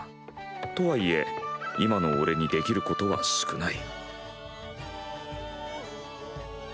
とはいえ今の俺にできることは少ない。